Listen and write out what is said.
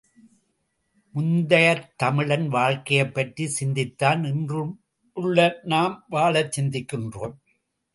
முந்தையத் தமிழன் வாழ்க்கையைப்பற்றிச் சிந்தித்தான் இன்றுள்ள நாம் வாழச் சிந்திக்கின்றோம்.